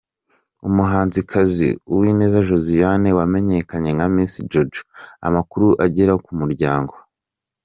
Umuhanzikazi Uwineza Josiane wamenyakanye nka Miss Jojo, amakuru agera ku Umuryango.